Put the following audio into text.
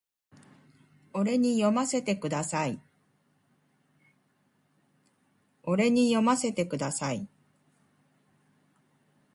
俺に読ませてください